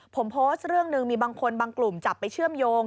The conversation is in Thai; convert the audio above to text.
ผมโพสต์เรื่องหนึ่งมีบางคนบางกลุ่มจับไปเชื่อมโยง